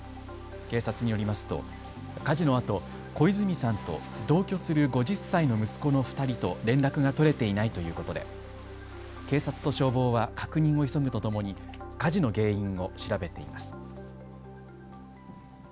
警察によりますと火事のあと小泉さんと同居する５０歳の息子の２人と連絡が取れていないということで警察と消防は確認を急ぐとともに火事の原因を調べています。